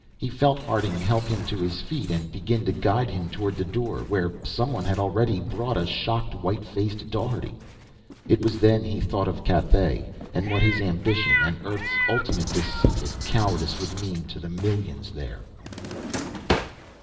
He felt Harding help him to his feet and begin to guide him toward the door, where someone had already brought a shocked, white faced Daugherty. It was then he thought of Cathay, and what his ambition and Earth's ultimate deceit and cowardice would mean to the millions there.